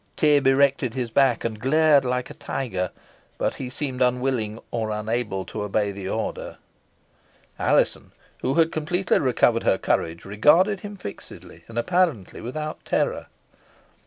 Tib erected his back, and glared like a tiger, but he seemed unwilling or unable to obey the order. Alizon, who had completely recovered her courage, regarded him fixedly, and apparently without terror.